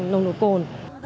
nồng nội cồn